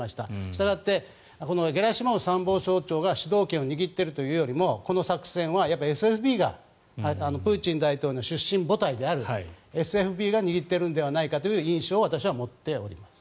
したがってこのゲラシモフ参謀総長が主導権を握っているというよりもこの作戦はＦＳＢがプーチン大統領の出身母体であるＦＳＢが握っているのではないかという印象を私は持っています。